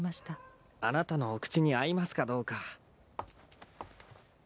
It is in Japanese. あなたのお口に合いますかどうか